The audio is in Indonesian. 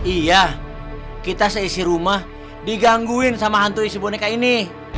iya kita seisi rumah digangguin sama hantu isi boneka ini